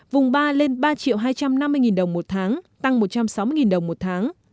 vùng ba lên ba hai trăm năm mươi đồng một tháng tăng một trăm sáu mươi đồng một tháng